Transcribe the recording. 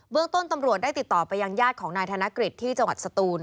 เรื่องต้นตำรวจได้ติดต่อไปยังญาติของนายธนกฤษที่จังหวัดสตูน